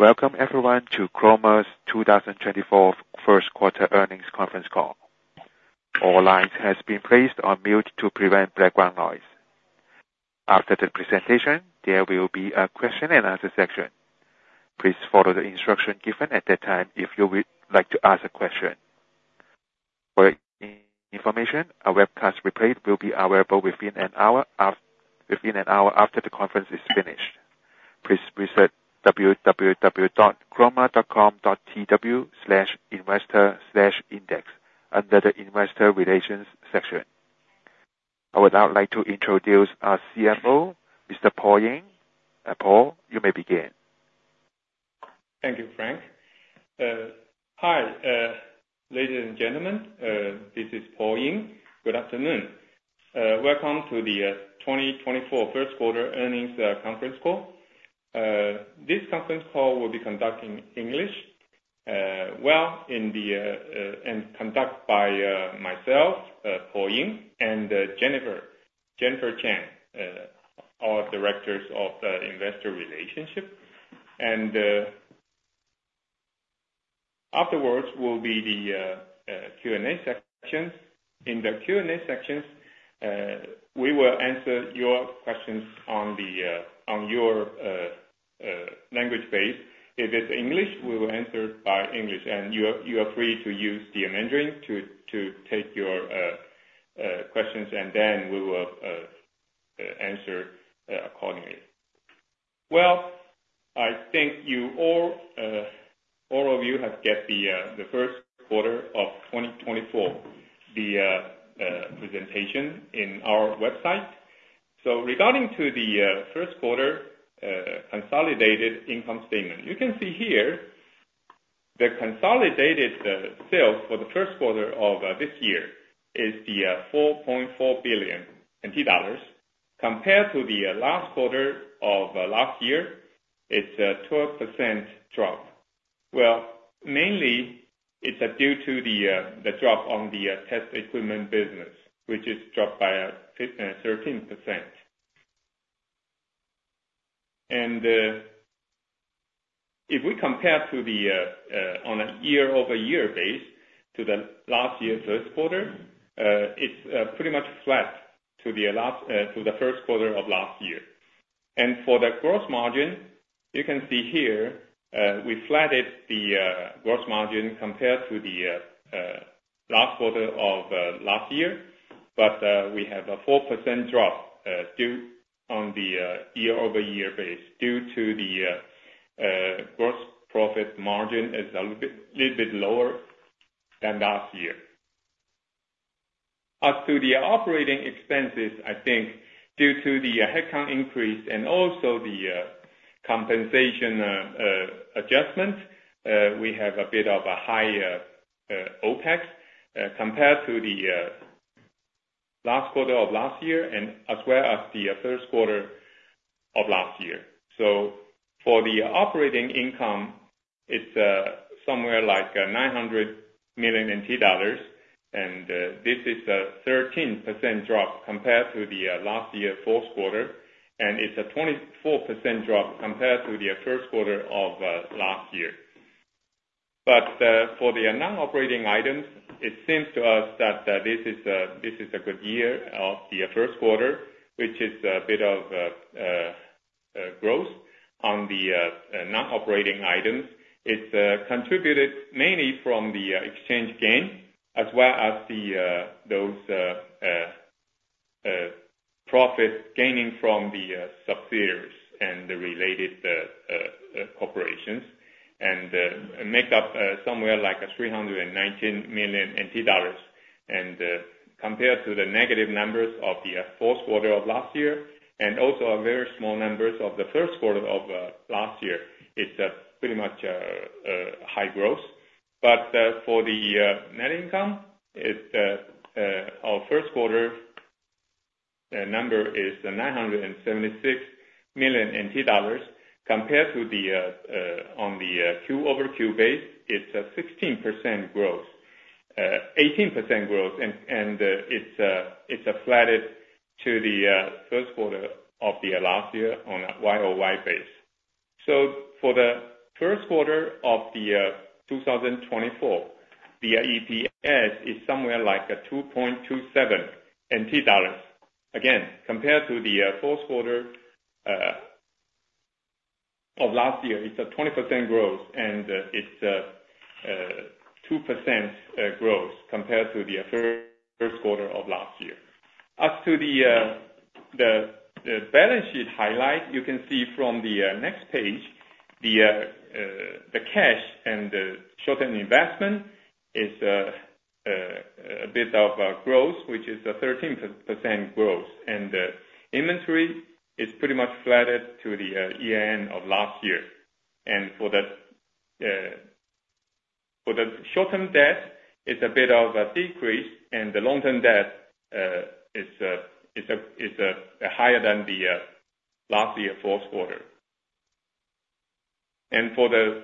Welcome everyone to Chroma's 2024 first quarter earnings conference call. All lines have been placed on mute to prevent background noise. After the presentation, there will be a question and answer section. Please follow the instructions given at that time if you would like to ask a question. For information, a webcast replay will be available within an hour after the conference is finished. Please visit www.chroma.com.tw/investor/index under the Investor Relations section. I would now like to introduce our CFO, Mr. Paul Ying. Paul, you may begin. Thank you, Frank. Hi, ladies and gentlemen. This is Paul Ying. Good afternoon. Welcome to the 2024 first quarter earnings conference call. This conference call will be conducted in English, and conducted by myself, Paul Ying, and Jennifer Chien, our Director of Investor Relations. Afterwards will be the Q&A sections. In the Q&A sections, we will answer your questions on your language base. If it's English, we will answer by English. You are free to use Mandarin to take your questions, and then we will answer accordingly. Well, I think all of you have got the first quarter of 2024 presentation in our website. So regarding the first quarter consolidated income statement, you can see here the consolidated sales for the first quarter of this year is TWD $4.4 billion compared to the last quarter of last year. It's a 12% drop. Well, mainly it's due to the drop on the test equipment business, which is dropped by 13%. And if we compare on a year-over-year base to the last year's first quarter, it's pretty much flat to the first quarter of last year. And for the gross margin, you can see here we flattened the gross margin compared to the last quarter of last year. But we have a 4% drop on the year-over-year base due to the gross profit margin is a little bit lower than last year. As to the operating expenses, I think due to the headcount increase and also the compensation adjustment, we have a bit of a higher OpEx compared to the last quarter of last year as well as the first quarter of last year. So for the operating income, it's somewhere like 900 million NT dollars. This is a 13% drop compared to the last year fourth quarter. It's a 24% drop compared to the first quarter of last year. But for the non-operating items, it seems to us that this is a good year for the first quarter, which is a bit of growth. On the non-operating items, it's contributed mainly from the exchange gain as well as those profits gaining from the subsidiaries and the related corporations and make up somewhere like 319 million NT dollars. And compared to the negative numbers of the fourth quarter of last year and also very small numbers of the first quarter of last year, it's pretty much high growth. But for the net income, our first quarter number is 976 million NT dollars. Compared to the on the QoQ basis, it's a 16% growth, 18% growth. It's flattened to the first quarter of last year on a YoY basis. So for the first quarter of 2024, the EPS is somewhere like TWD $2.27. Again, compared to the fourth quarter of last year, it's a 20% growth. And it's a 2% growth compared to the first quarter of last year. As to the balance sheet highlight, you can see from the next page, the cash and short-term investment is a bit of growth, which is a 13% growth. And inventory is pretty much flattened to the year-end of last year. And for the short-term debt, it's a bit of a decrease. And the long-term debt is higher than last year fourth quarter. And for the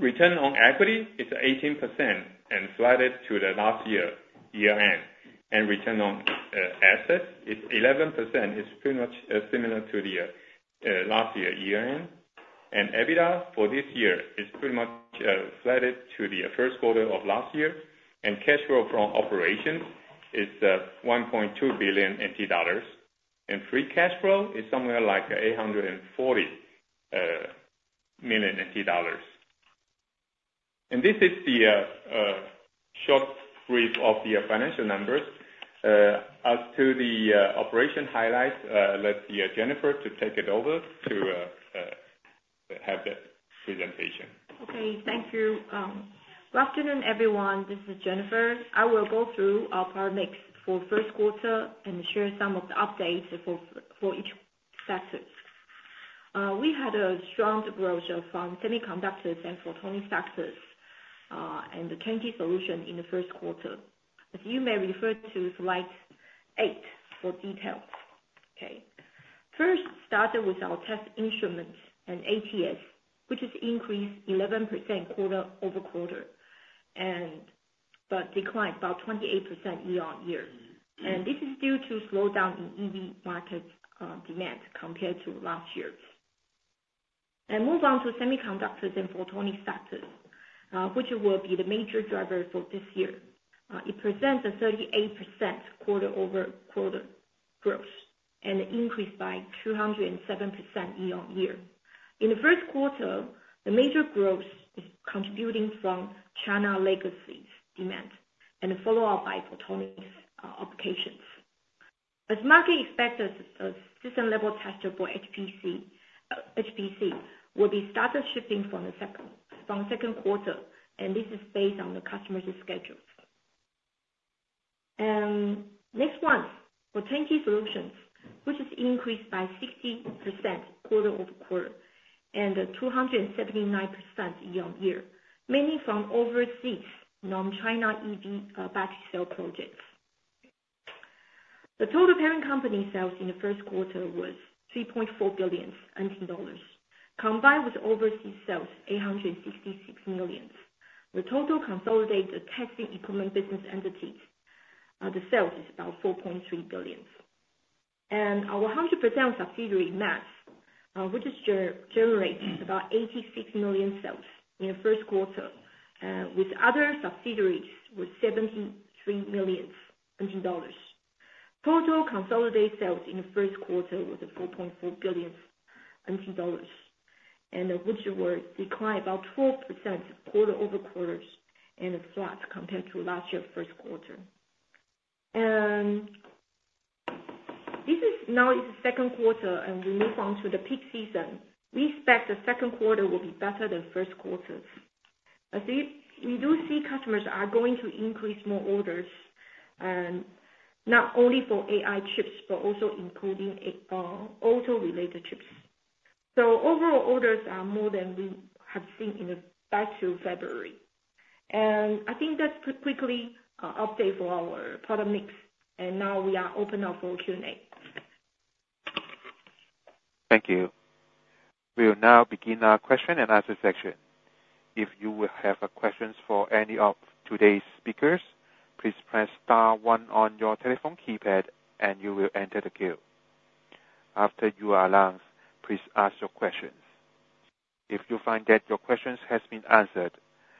return on equity, it's 18% and flattened to the last year year-end. And return on assets, it's 11%. It's pretty much similar to last year year-end. EBITDA for this year is pretty much flattened to the first quarter of last year. Cash flow from operations is 1.2 billion NT dollars. Free cash flow is somewhere like 840 million NT dollars. This is the short brief of the financial numbers. As to the operation highlights, let Jennifer take it over to have that presentation. Okay. Thank you. Good afternoon, everyone. This is Jennifer. I will go through our product mix for first quarter and share some of the updates for each sector. We had a strong growth from semiconductors and photonic sectors and the turnkey solutions in the first quarter. As you may refer to slide 8 for details. Okay? First started with our test instruments and ATS, which has increased 11% quarter-over-quarter but declined about 28% year-over-year. Move on to semiconductors and photonic sectors, which will be the major driver for this year. It presents a 38% quarter-over-quarter growth and increased by 207% year-over-year. In the first quarter, the major growth is contributing from China legacy demand and followed by photonics applications. As market expected, a system-level tester for HPC will be started shipping from second quarter. This is based on the customers' schedules. Next one, potential solutions, which has increased by 60% quarter-over-quarter and 279% year-on-year, mainly from overseas non-China EV battery cell projects. The total parent company sales in the first quarter was 3.4 billion combined with overseas sales, 866 million. The total consolidated testing equipment business entities, the sales is about 4.3 billion. Our 100% subsidiary MAS, which generates about 86 million sales in the first quarter with other subsidiaries was 73 million dollars. Total consolidated sales in the first quarter was 4.4 billion dollars, which were declined about 12% quarter-over-quarter and a flat compared to last year first quarter. Now it's the second quarter, and we move on to the peak season. We expect the second quarter will be better than first quarter. We do see customers are going to increase more orders, not only for AI chips but also including auto-related chips. So overall orders are more than we have seen back to February. And I think that's quickly an update for our product mix. And now we are open up for Q&A. Thank you. We will now begin our question and answer section. If you will have questions for any of today's speakers, please press star one on your telephone keypad, and you will enter the queue. After you are announced, please ask your questions. If you find that your questions have been answered,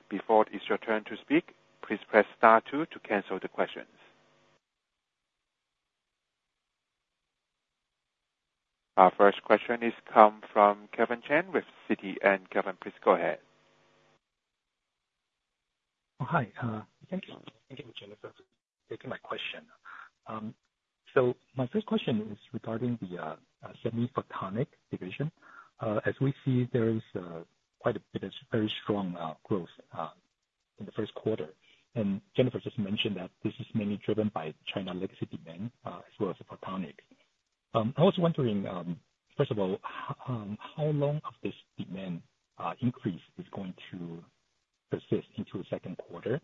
before it's your turn to speak, please press star two to cancel the questions. Our first question has come from Kevin Cheng with Citi. Kevin, please go ahead. Hi. Thank you, Jennifer, for taking my question. So my first question is regarding the semi-photonic division. As we see, there is quite a bit of very strong growth in the first quarter. And Jennifer just mentioned that this is mainly driven by China legacy demand as well as photonics. I was wondering, first of all, how long of this demand increase is going to persist into the second quarter?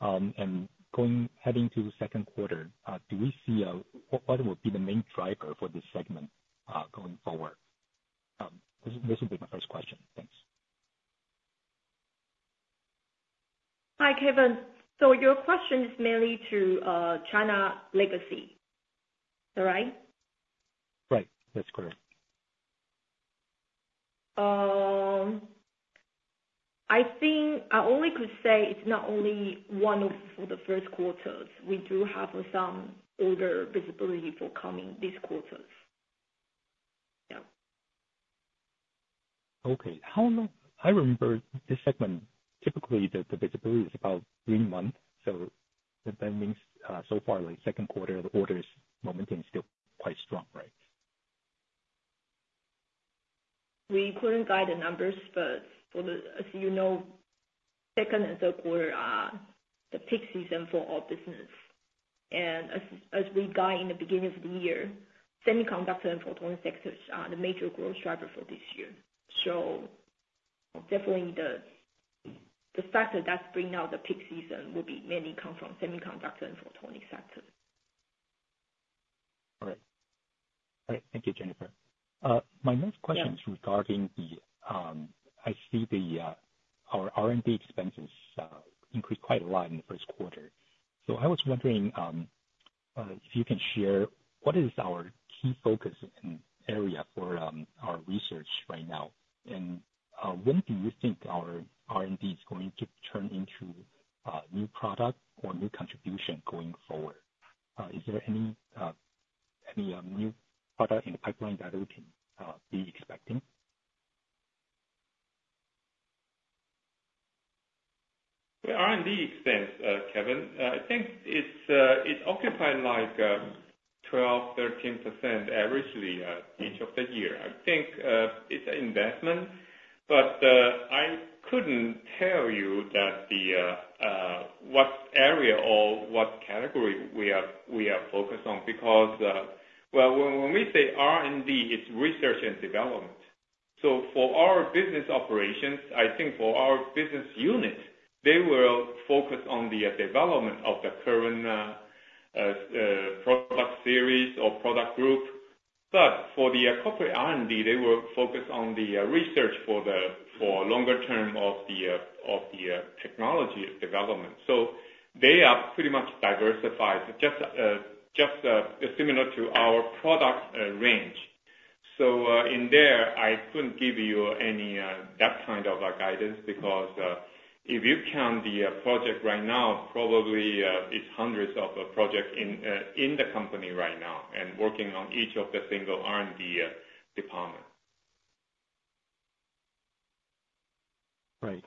And heading to the second quarter, do we see what will be the main driver for this segment going forward? This will be my first question. Thanks. Hi, Kevin. So your question is mainly to China legacy. Is that right? Right. That's correct. I think I only could say it's not only one for the first quarters. We do have some order visibility for coming this quarter. Yeah. Okay. I remember this segment, typically, the visibility is about three months. So that means so far, second quarter, the order momentum is still quite strong, right? We couldn't guide the numbers. But as you know, second and third quarter are the peak season for our business. And as we guide in the beginning of the year, semiconductor and photonic sectors are the major growth driver for this year. So definitely, the factor that's bringing out the peak season will mainly come from semiconductor and photonic sectors. All right. All right. Thank you, Jennifer. My next question is regarding, I see our R&D expenses increased quite a lot in the first quarter. So I was wondering if you can share what is our key focus area for our research right now? And when do you think our R&D is going to turn into a new product or new contribution going forward? Is there any new product in the pipeline that we can be expecting? The R&D expense, Kevin, I think it occupied like 12%-13% averagely each of the years. I think it's an investment. But I couldn't tell you what area or what category we are focused on because well, when we say R&D, it's research and development. So for our business operations, I think for our business unit, they will focus on the development of the current product series or product group. But for the corporate R&D, they will focus on the research for longer term of the technology development. So they are pretty much diversified, just similar to our product range. So in there, I couldn't give you any that kind of guidance because if you count the project right now, probably it's hundreds of projects in the company right now and working on each of the single R&D departments. Right.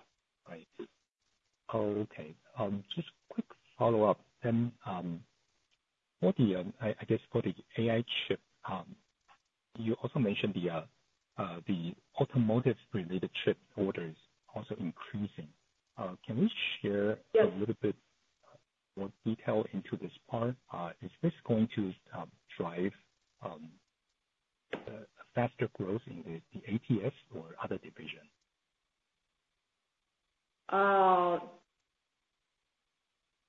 Right. Okay. Just quick follow-up. I guess for the AI chip, you also mentioned the automotive-related chip orders also increasing. Can we share a little bit more detail into this part? Is this going to drive faster growth in the ATS or other division?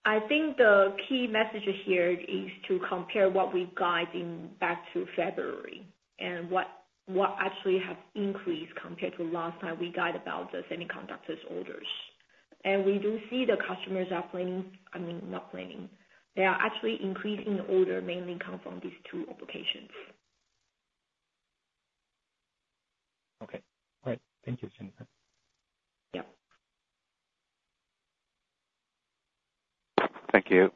I think the key message here is to compare what we're guiding back to February and what actually has increased compared to last time we guided about the semiconductors orders. We do see the customers are planning I mean, not planning. They are actually increasing the order mainly coming from these two applications. Okay. All right. Thank you, Jennifer. Thank you.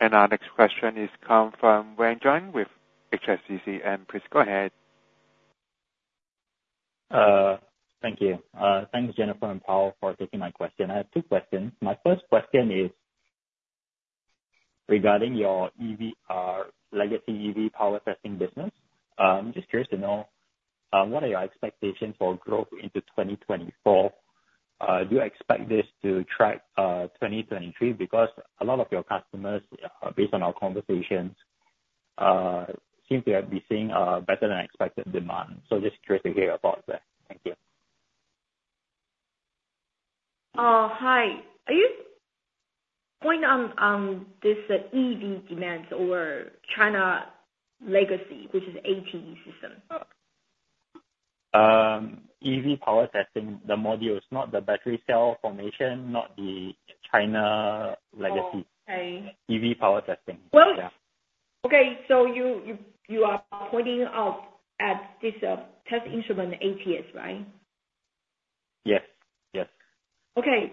Our next question has come from Wern Juan Chng with HSBC. Please go ahead. Thank you. Thanks, Jennifer and Paul, for taking my question. I have two questions. My first question is regarding your legacy EV power testing business. I'm just curious to know, what are your expectations for growth into 2024? Do you expect this to track 2023? Because a lot of your customers, based on our conversations, seem to be seeing better-than-expected demand. So just curious to hear about that. Thank you. Hi. Are you pointing on this EV demand or China legacy, which is ATE system? EV power testing, the modules, not the battery cell formation, not the China legacy. EV power testing. Yeah. Okay. So you are pointing out at this test instrument, ATS, right? Yes. Yes. Okay.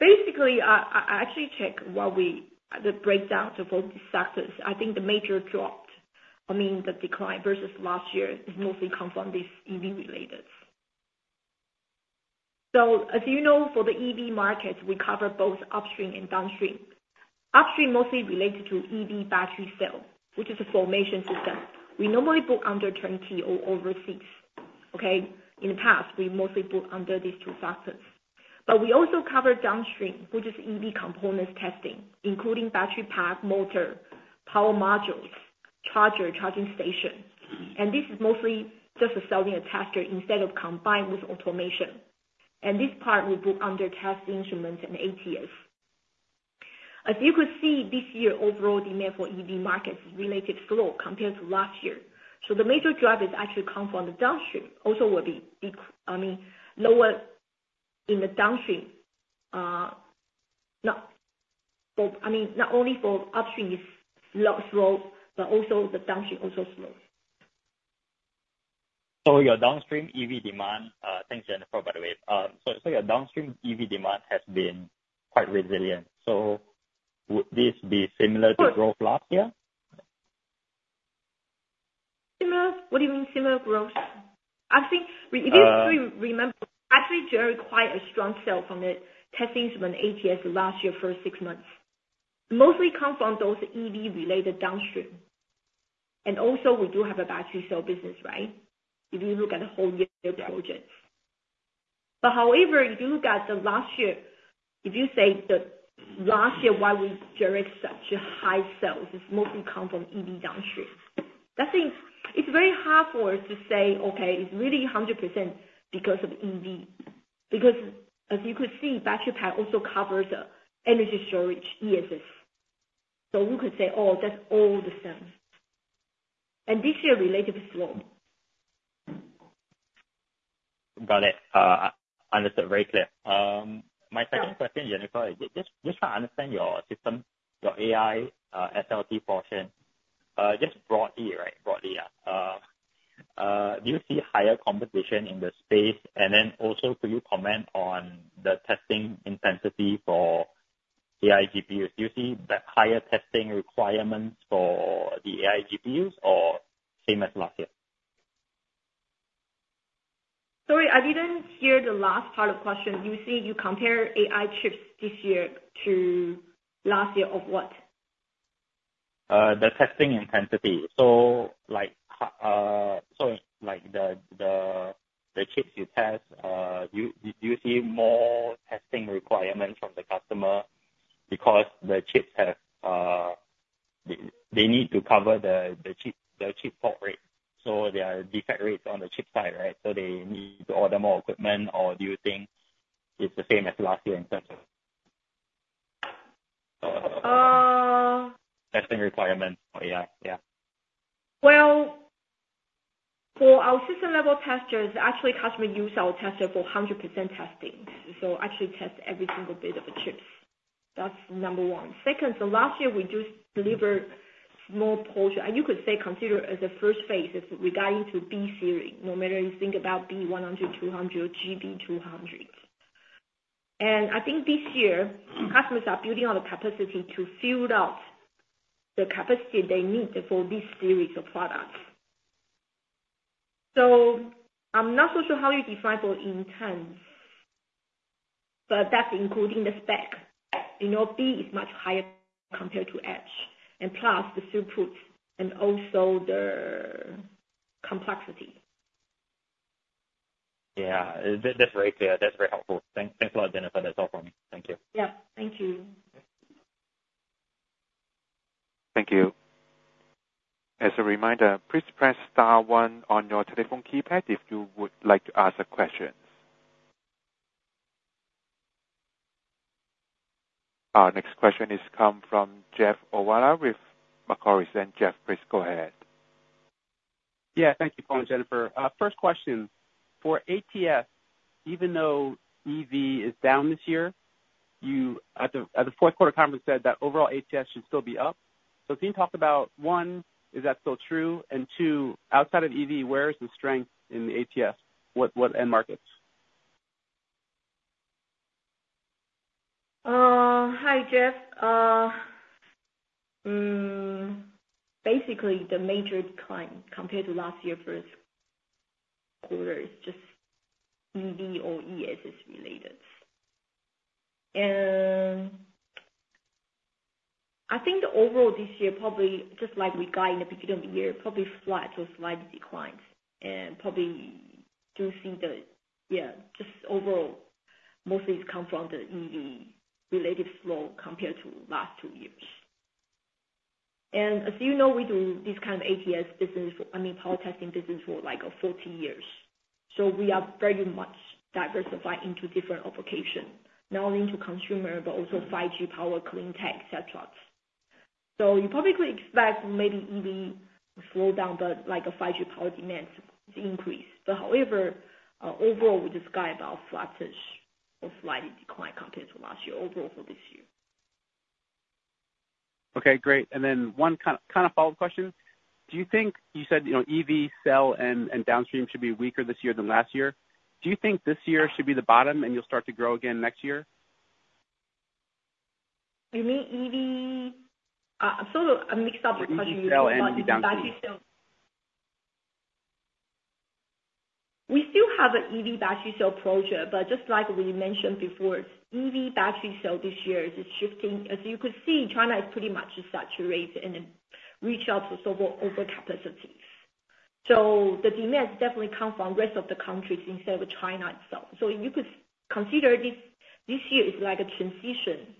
Basically, I actually checked the breakdown for these sectors. I think the major dropped, I mean, the decline versus last year is mostly coming from these EV-relateds. So as you know, for the EV market, we cover both upstream and downstream. Upstream mostly related to EV battery cell, which is a formation system. We normally book under Taiwan or overseas. Okay? In the past, we mostly book under these two factors. But we also cover downstream, which is EV components testing, including battery pack, motor, power modules, charger, charging station. And this is mostly just selling a tester instead of combining with automation. And this part, we book under test instruments and ATS. As you could see, this year, overall demand for EV markets is relative slow compared to last year. The major drive is actually coming from the downstream, also will be I mean, lower in the downstream. I mean, not only for upstream is slow, but also the downstream is also slow. So, your downstream EV demand. Thanks, Jennifer, by the way. So, would this be similar to growth last year? Similar? What do you mean similar growth? I think if you remember, actually, there are quite a strong sales from the test instrument, ATS, last year first six months. Mostly comes from those EV-related downstream. And also, we do have a battery cell business, right, if you look at the whole year projects. But however, if you look at the last year, if you say last year, why we generate such high sales, it's mostly coming from EV downstream. It's very hard for us to say, "Okay, it's really 100% because of EV." Because as you could see, battery pack also covers energy storage, ESS. So we could say, "Oh, that's all the same." And this year, relatively slow. Got it. Understood. Very clear. My second question, Jennifer, just trying to understand your system, your AI SLT portion, just broadly, right, broadly, do you see higher competition in the space? And then also, could you comment on the testing intensity for AI GPUs? Do you see higher testing requirements for the AI GPUs or same as last year? Sorry, I didn't hear the last part of the question. You compare AI chips this year to last year of what? The testing intensity. So the chips you test, do you see more testing requirements from the customer because the chips have they need to cover the chip fault rate? So there are defect rates on the chip side, right? So they need to order more equipment. Or do you think it's the same as last year in terms of testing requirements for AI? Yeah. Well, for our system-level testers, actually, customers use our tester for 100% testing. So actually test every single bit of the chips. That's number one. Second, so last year, we just delivered small portion. And you could say consider as a first phase regarding to B-series, no matter you think about B100, B200, GB200. And I think this year, customers are building on the capacity to fill out the capacity they need for this series of products. So I'm not so sure how you define for intents, but that's including the spec B is much higher compared to Edge and plus the throughput and also the complexity. Yeah. That's very clear. That's very helpful. Thanks a lot, Jennifer. That's all from me. Thank you. Yeah. Thank you. Thank you. As a reminder, please press star one on your telephone keypad if you would like to ask a question. Our next question has come from Jeff Ohlweiler with Macquarie. Jeff, please go ahead. Yeah. Thank you for coming, Jennifer. First question, for ATS, even though EV is down this year, at the fourth-quarter conference, you said that overall ATS should still be up. So can you talk about, one, is that still true? And two, outside of EV, where is the strength in the ATS? What end markets? Hi, Jeff. Basically, the major decline compared to last year first quarter is just EV or ESS-related. And I think the overall this year, probably just like we guide in the beginning of the year, probably flat or slight declines. And probably do see, just overall, mostly it comes from the EV-related slow compared to last two years. And as you know, we do this kind of ATS business I mean, power testing business for like 40 years. So we are very much diversified into different applications, not only into consumer but also 5G power, clean tech, etc. So you probably could expect maybe EV slowdown, but 5G power demands increase. But however, overall, we just guide about flattish or slightly decline compared to last year, overall for this year. Okay. Great. And then one kind of follow-up question. You said EV cell and downstream should be weaker this year than last year. Do you think this year should be the bottom, and you'll start to grow again next year? You mean EV? I mixed up the question. You mean EV cell and the downstream. We still have an EV battery cell project. But just like we mentioned before, EV battery cell this year is shifting. As you could see, China is pretty much saturated and reached out to several overcapacities. So the demands definitely come from the rest of the countries instead of China itself. So you could consider this year is like a transition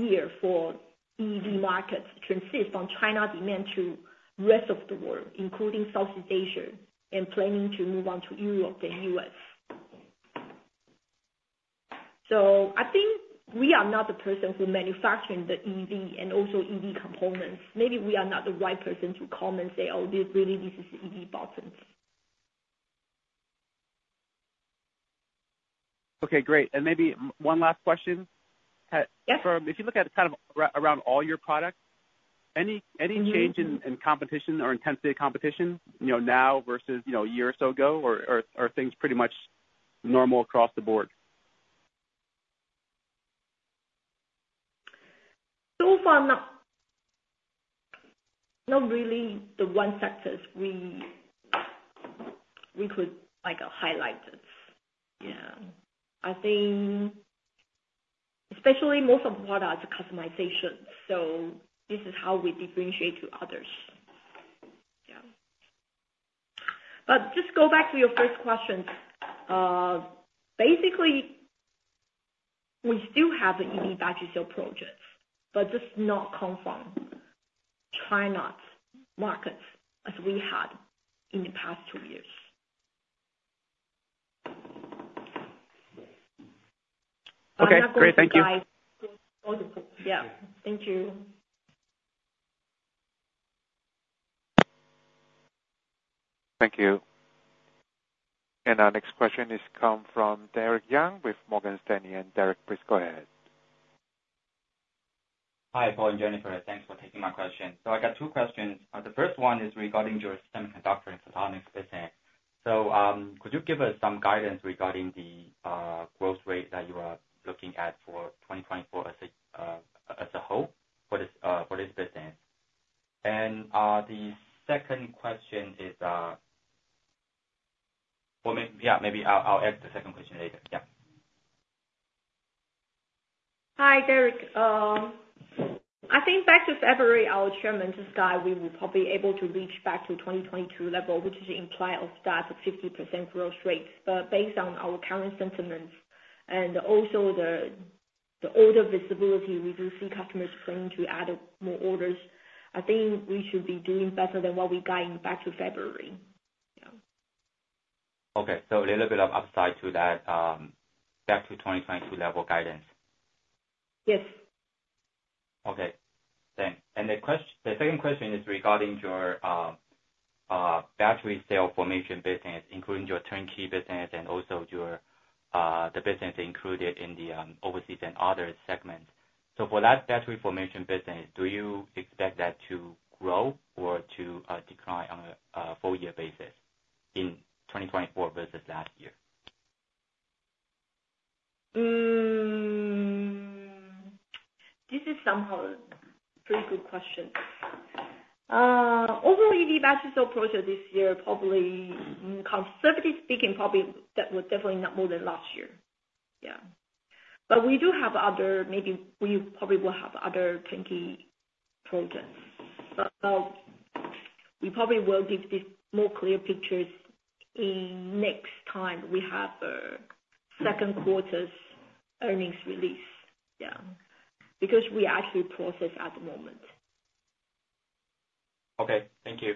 year for EV markets, transition from China demand to the rest of the world, including Southeast Asia, and planning to move on to Europe and U.S. So I think we are not the person who manufactures the EV and also EV components. Maybe we are not the right person to come and say, "Oh, really, this is EV boom. Okay. Great. And maybe one last question. If you look at kind of around all your products, any change in competition or intensity of competition now versus a year or so ago? Or are things pretty much normal across the board? So far, not really the one sectors we could highlight. Yeah. I think especially most of the product is customization. So this is how we differentiate to others. Yeah. But just go back to your first question. Basically, we still have an EV battery cell project, but just not coming from China markets as we had in the past two years. I'm not going to drive. Okay. Great. Thank you. Yeah. Thank you. Thank you. Our next question has come from Derrick Yang with Morgan Stanley. Derrick, please go ahead. Hi, Paul and Jennifer. Thanks for taking my question. So I got two questions. The first one is regarding your semiconductor and photonics business. So could you give us some guidance regarding the growth rate that you are looking at for 2024 as a whole for this business? And the second question is yeah, maybe I'll ask the second question later. Yeah. Hi, Derrick. I think back to February, our chairman just guided, we will probably be able to reach back to 2022 level, which is implied of that 50% growth rate. But based on our current sentiments and also the order visibility, we do see customers planning to add more orders. I think we should be doing better than what we're guiding back to February. Yeah. Okay. So a little bit of upside to that back to 2022 level guidance? Yes. Okay. Thanks. The second question is regarding your battery cell formation business, including your turnkey business and also the business included in the overseas and other segments. For that battery formation business, do you expect that to grow or to decline on a full-year basis in 2024 versus last year? This is somehow a pretty good question. Overall, EV battery cell project this year, conservatively speaking, probably definitely not more than last year. Yeah. But we do have other maybe we probably will have other turnkey projects. But we probably will give this more clear pictures next time we have a second quarter's earnings release. Yeah. Because we actually process at the moment. Okay. Thank you.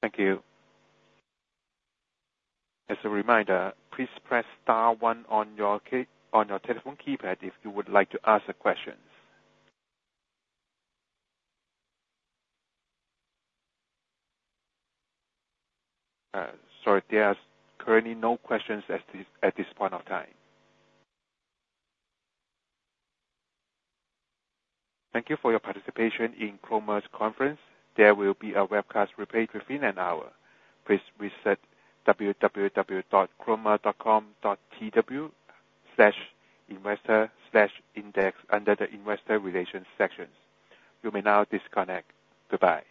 Thank you. As a reminder, please press star one on your telephone keypad if you would like to ask questions. Sorry. There are currently no questions at this point of time. Thank you for your participation in Chroma's conference. There will be a webcast replayed within an hour. Please visit www.chroma.com.tw/investor/index under the investor relations sections. You may now disconnect. Goodbye.